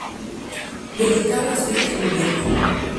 Dedicado a su hija Julieta.